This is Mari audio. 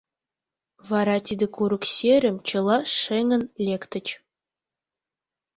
Вара тиде курык серым чыла шеҥын лектыч.